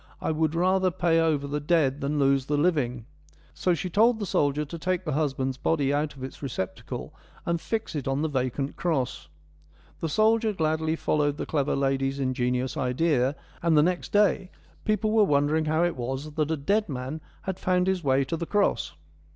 I would rather pay over the dead than lose the living.' So she told the soldier to take the husband's body out of its receptacle and fix it on the vacant cross. ' The soldier gladly followed the clever lady's ingenious idea, and the next day people were wondering how it was that a dead man had found his way to the cross.'